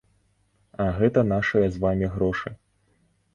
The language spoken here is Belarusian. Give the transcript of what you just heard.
А гэта нашыя з вамі грошы.